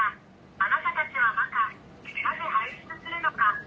あなたたちはばか、なぜ排出するのか。